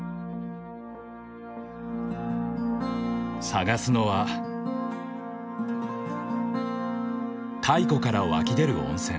探すのは太古から湧き出る温泉。